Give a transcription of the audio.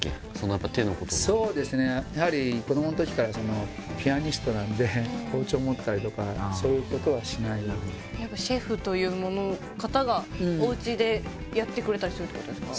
やっぱ手のこととかそうですねやはりなんで包丁持ったりとかそういうことはしないようにやっぱシェフというもの方がおうちでやってくれたりするってことですか？